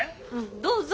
どうぞ。